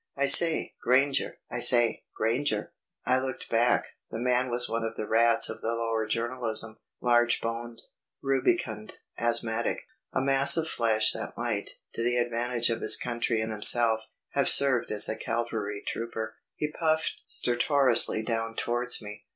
"I say, Granger! I say, Granger!" I looked back. The man was one of the rats of the lower journalism, large boned, rubicund, asthmatic; a mass of flesh that might, to the advantage of his country and himself, have served as a cavalry trooper. He puffed stertorously down towards me.